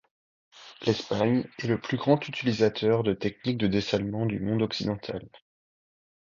L'Espagne est le plus grand utilisateur de techniques de dessalement du monde occidental.